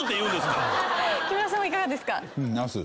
木村さんはいかがですか？